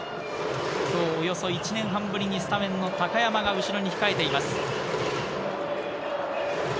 今日、およそ１年半ぶりにスタメンの高山が後ろに控えています。